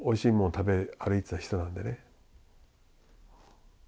食べ歩いてた人なんでね。